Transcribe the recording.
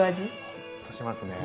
ほっとしますね。